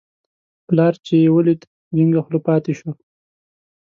پلار چې یې ولید، جینګه خوله پاتې شو.